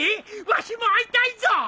わしも会いたいぞ！